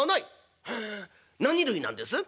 「へえ何類なんです？」。